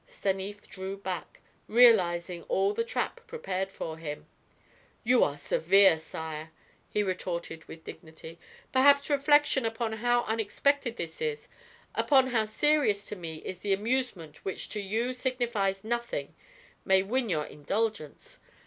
Stanief drew back, realizing all the trap prepared for him. "You are severe, sire," he retorted with dignity. "Perhaps reflection upon how unexpected this is, upon how serious to me is the amusement which to you signifies nothing, may win your indulgence.